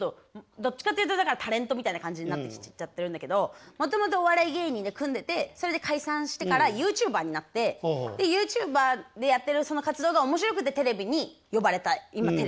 どっちかっていうとタレントみたいな感じになってきちゃってるんだけどもともとお笑い芸人で組んでてそれで解散してからＹｏｕＴｕｂｅｒになってでＹｏｕＴｕｂｅｒでやってるその活動が面白くてテレビに呼ばれた今テレビっていう感じ。